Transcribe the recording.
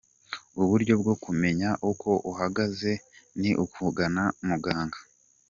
Uburyo bwo kumenya uko uhagaze ni ukugana muganga